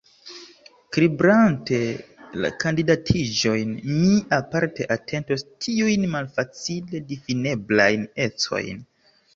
Kribrante la kandidatiĝojn, mi aparte atentos tiujn malfacile difineblajn ecojn.